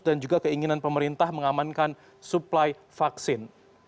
dan juga keinginan pemerintah mengamankan supply vaksin